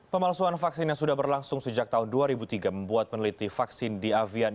pemalsuan vaksin yang sudah berlangsung sejak tahun dua ribu tiga membuat peneliti vaksin di avian